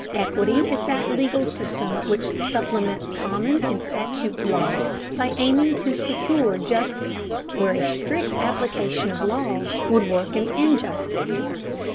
Equity is that legal system which supplements common and statute law by aiming to secure justice where a strict application of law would work an injustice.